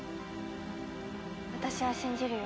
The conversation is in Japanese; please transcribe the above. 私は信じるよ。